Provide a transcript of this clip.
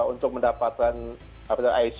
untuk mendapatkan iso sembilan ribu satu sama sni nya mbak